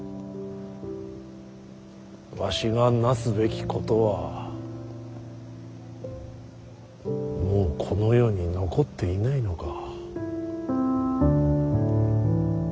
わしがなすべきことはもうこの世に残っていないのか。